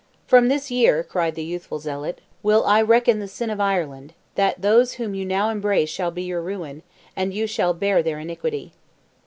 "From this year," cried the youthful zealot, "will I reckon the sin of Ireland, that those whom you now embrace shall be your ruin, and you shall bear their iniquity."